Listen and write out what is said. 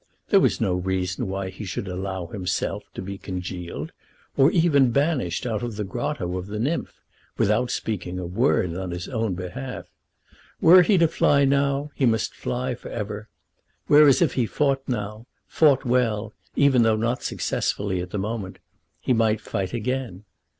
There was no reason why he should allow himself to be congealed, or even banished out of the grotto of the nymph, without speaking a word on his own behalf. Were he to fly now, he must fly for ever; whereas, if he fought now, fought well, even though not successfully at the moment, he might fight again.